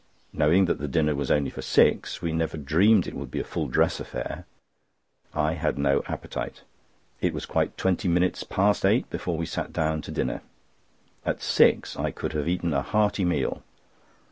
Knowing that the dinner was only for us six, we never dreamed it would be a full dress affair. I had no appetite. It was quite twenty minutes past eight before we sat down to dinner. At six I could have eaten a hearty meal.